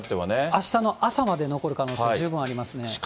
あしたの朝まで残る可能性、十分ありますね。